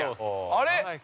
あれ？